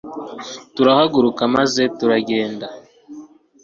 turahaguruka maze turagenda